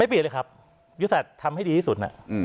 ไม่เปลี่ยนเลยครับยุษัททำให้ดีที่สุด